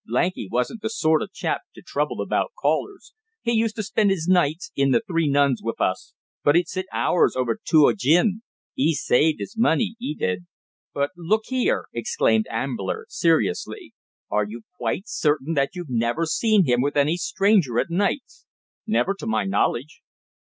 Lanky wasn't the sort o' chap to trouble about callers. He used to spend 'is nights in the Three Nuns wiv us; but he'd sit 'ours over two o' gin. 'E saved 'is money, 'e did." "But look here," exclaimed Ambler, seriously. "Are you quite certain that you've never seen him with any stranger at nights?" "Never to my knowledge."